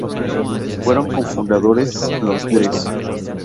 Fueron co-fundadores los Dres.